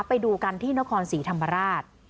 ไปดูกันที่นครศรีธรรมราช